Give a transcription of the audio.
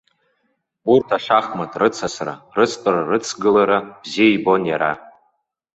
Урҭ ашахмат рыцасра, рыцтәарарыцгылара бзиа ибон иара.